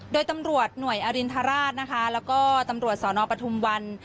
โดยตำรวจหน่วยอรินทราชนะคะแล้วก็ตำรวจสนปทุมวัน